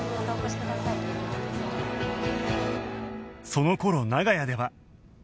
その頃長屋では